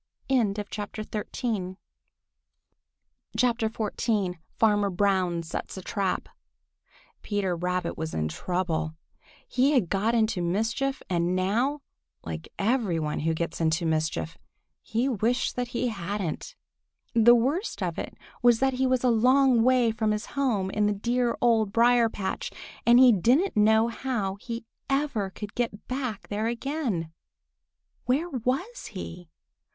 XIV FARMER BROWN SETS A TRAP PETER RABBIT was in trouble. He had gotten into mischief and now, like every one who gets into mischief, he wished that he hadn't. The worst of it was that he was a long way from his home in the dear Old Briar patch, and he didn't know how he ever could get back there again. Where was he?